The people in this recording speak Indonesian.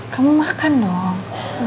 kamu makan dong